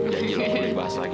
janji lo boleh bahas lagi